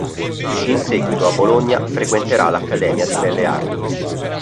In seguito a Bologna frequenterà l'Accademia di Belle Arti.